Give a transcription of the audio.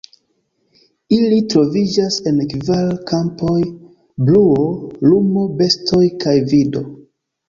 Ili troviĝas en kvar kampoj: bruo, lumo, bestoj kaj vido.